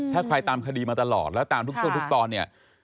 ถ้าใครตามคดีมาตลอดแล้วตามทุกตอน